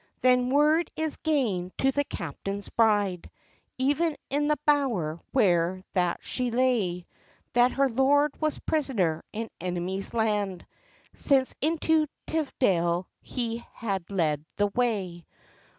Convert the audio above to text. Then word is gane to the captain's bride, Even in the bower where that she lay, That her lord was prisoner in enemy's land, Since into Tividale he had led the way.